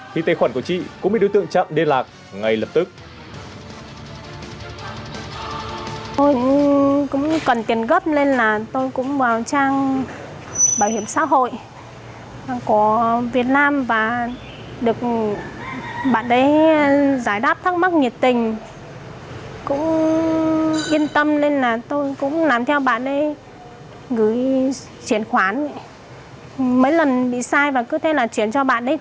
thì tài khoản của chị cũng bị đối tượng chặn đê lạc ngay lập tức